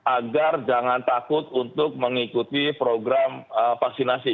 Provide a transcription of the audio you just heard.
agar jangan takut untuk mengikuti program vaksinasi